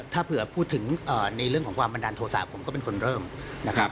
ถ้าเผื่อพูดถึงในเรื่องของความบันดาลโทษะผมก็เป็นคนเริ่มนะครับ